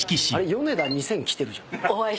ヨネダ２０００来てるじゃん。